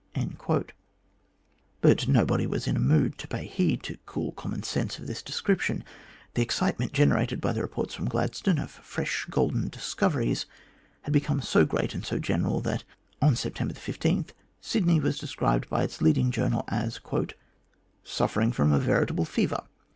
But nobody was in a mood to pay heed to cool common sense of this description. The excitement generated by the reports from Gladstone of fresh golden discoveries had be come so great and so general, that, on September 15, Sydney was described by its leading journal as 11 Suffering from a veritable fever.